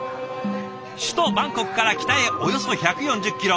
首都バンコクから北へおよそ１４０キロ。